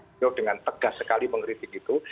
beliau dengan tegas sekali mengkritik itu